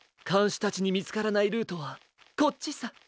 しゅたちにみつからないルートはこっちさ！